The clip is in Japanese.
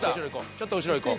ちょっと後ろいこう。